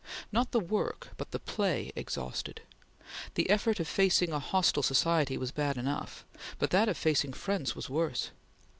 Not the work, but the play exhausted. The effort of facing a hostile society was bad enough, but that of facing friends was worse.